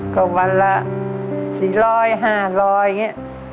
ก็วันละสี่ร้อยห้าร้อยอย่างเงี้ย